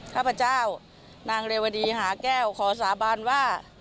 ข้าพเจ้านางเรวดีหาแก้วขอสาบานว่า